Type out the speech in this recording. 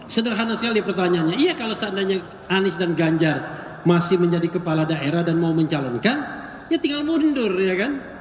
sederhana sekali pertanyaannya iya kalau seandainya anies dan ganjar masih menjadi kepala daerah dan mau mencalonkan ya tinggal mundur ya kan